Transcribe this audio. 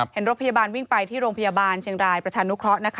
รถพยาบาลวิ่งไปที่โรงพยาบาลเชียงรายประชานุเคราะห์นะคะ